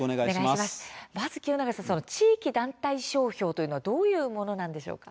まず地域団体商標とはどういうものなんでしょうか。